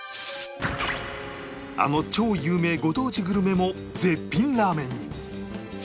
あの超有名ご当地グルメも絶品ラーメンに！